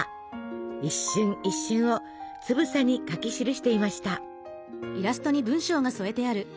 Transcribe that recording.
一瞬一瞬をつぶさに描き記していました。